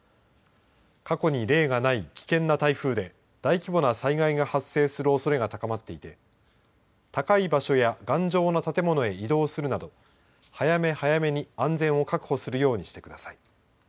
過去に例がない危険な台風で大規模な災害が発生するおそれが高まっていて高い場所や頑丈な建物へ移動するなど早め早めに安全を確保するようにしてください。